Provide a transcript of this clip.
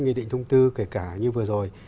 nghị định thông tư kể cả như vừa rồi